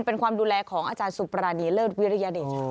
เป็นความดูแลของอาจารย์สุปรานีเลิศวิริยเดชา